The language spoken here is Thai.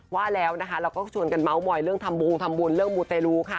ว่าแล้วนะคะเราก็ชวนกันเมาะมอยเรื่องธรรมบุญธรรมบุญเรื่องมูเตรูค่ะ